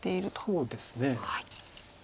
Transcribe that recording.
そうですね。